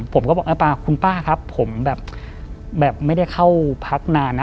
ผมก็บอกคุณป้าครับผมแบบไม่ได้เข้าพักนานนะ